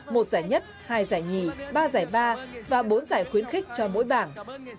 một giải nhất hai giải nhì ba giải ba và bốn giải khuyến khích cho mỗi bảng